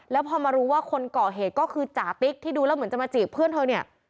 แล้วพอมารู้ว่าคนก่อเหตุก็คือจาติ๊กที่ดูแล้วเหมือนจะมาจีบเพื่อนเธอเนี่ย